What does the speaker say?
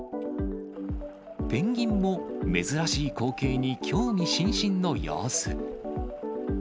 ペンギンも珍しい光景に興味津々の様子。